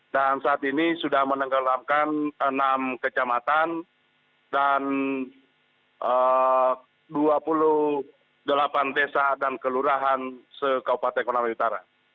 dan saat ini sudah menenggelamkan enam kecamatan dan dua puluh delapan desa dan kelurahan sekaupat ekonomi utara